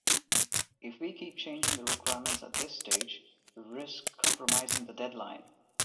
If we keep changing the requirements at this stage, we risk compromising the deadline.